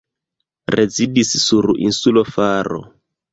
Rezidis sur insulo Faro.